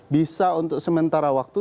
bisa untuk sementara waktu